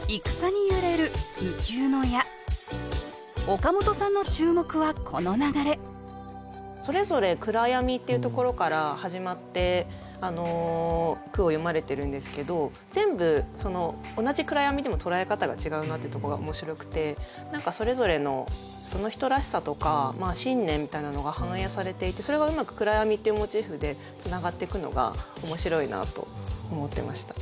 岡本さんの注目はこの流れそれぞれ暗闇っていうところから始まって句を詠まれてるんですけど全部同じ暗闇でも捉え方が違うなってとこが面白くて何かそれぞれのその人らしさとか信念みたいなのが反映されていてそれがうまく暗闇っていうモチーフでつながってくのが面白いなと思ってました。